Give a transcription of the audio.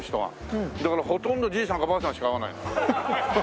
だからほとんどじいさんかばあさんしか会わないの。